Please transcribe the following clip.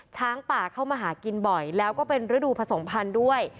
ช้างป่าเข้ามาหากินบ่อยแล้วก็เป็นฤดูผสมพันธุ์ด้วย